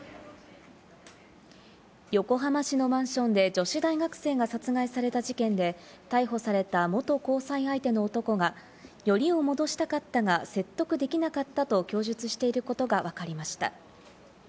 横浜市のマンションで女子大学生が殺害された事件で、逮捕された元交際相手の男が、よりを戻したかったが、説得できなかったと供述していることがわかりました。